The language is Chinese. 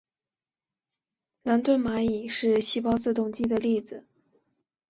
兰顿蚂蚁是细胞自动机的例子。